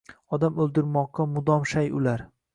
Odam oʻldirmoqqa mudom shay ular